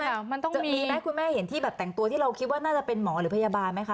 มันต้องมีไหมคุณแม่เห็นที่แบบแต่งตัวที่เราคิดว่าน่าจะเป็นหมอหรือพยาบาลไหมคะ